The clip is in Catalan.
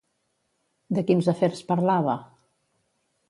De quins afers parlava?